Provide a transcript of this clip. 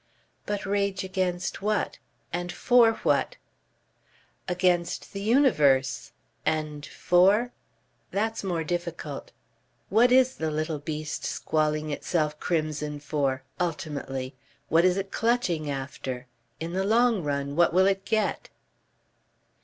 "But rage against what? And FOR what?" "Against the Universe. And for ? That's more difficult. What IS the little beast squalling itself crimson for? Ultimately? ... What is it clutching after? In the long run, what will it get?"